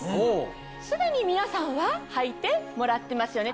すでに皆さんははいてもらってますよね？